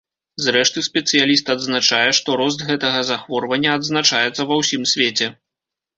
Зрэшты, спецыяліст адзначае, што рост гэтага захворвання адзначаецца ва ўсім свеце.